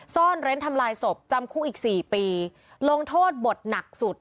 ซ่อนเร้นทำลายศพจำคุกอีก๔ปีลงโทษบทหนักสุด